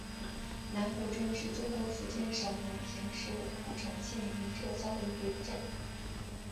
南浦镇是中国福建省南平市浦城县已经撤销的一个镇。